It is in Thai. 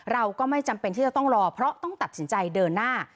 เราก็ไม่จำเป็นที่จะต้องรอเพราะต้องตัดสินใจเดินหน้า